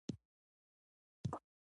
مالکیت د جان لاک یوه مهمه نظریه ده.